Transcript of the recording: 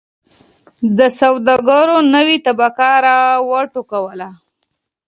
د سوداګرو نوې طبقه را و ټوکوله.